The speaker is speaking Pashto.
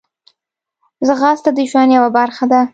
ځغاسته د ژوند یوه برخه ده